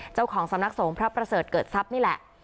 เจ้าของสำนักสงฆ์พระประเสริฐเกิดทรัพย์นี่แหละ